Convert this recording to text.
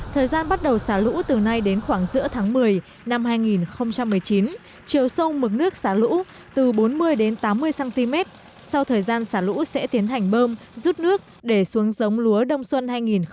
thời gian bắt đầu xả lũ từ nay đến khoảng giữa tháng một mươi năm hai nghìn một mươi chín chiều sông mực nước xả lũ từ bốn mươi đến tám mươi cm sau thời gian xả lũ sẽ tiến hành bơm rút nước để xuống giống lúa đông xuân hai nghìn một mươi hai nghìn hai mươi